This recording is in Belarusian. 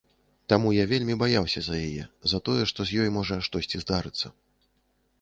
Таму я вельмі баяўся за яе, за тое, што з ёй можа штосьці здарыцца.